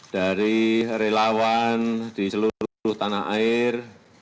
dari relawan di seluruh tanah air